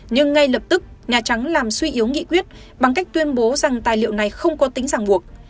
nhưng ngay lập tức nhà trắng làm suy yếu nghị quyết bằng cách tuyên bố rằng tài liệu này không có tính giảng buộc